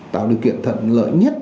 tạo điều kiện thật lợi nhất